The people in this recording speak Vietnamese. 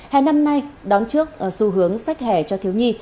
hè năm nay đón trước xu hướng sách hè cho thiếu nhi